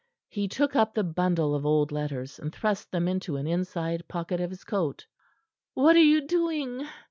He took up the bundle of old letters, and thrust them into an inside pocket of his coat. "What are you doing?"